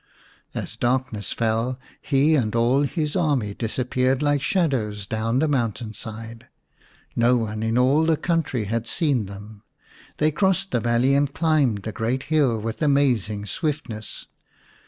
As darkness fell he and all his army dis appeared like shadows down the mountain side. No one in all the country had seen them ; they crossed the valley and climbed the great hill with amazing swiftness.